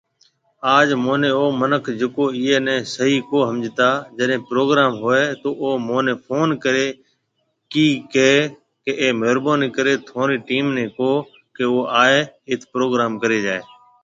آج مهني او منک جڪو ايئي ني صحيح ڪو ۿمجھتا جڏي پروگرام هوئي تو او مهني فون ڪري ڪي هي ڪي مهربوني ڪري ٿونري ٽيم ني ڪو ڪي او آئي ايٿ پروگرام ڪري جائي